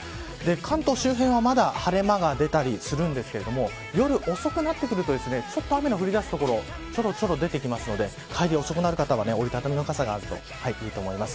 関東周辺はまだ晴れ間が出たりするんですけど夜遅くなってくるとちょっと雨の降り出す所ちょろちょろ出てきますので帰りが遅くなる方は折り畳みの傘があるといいと思います。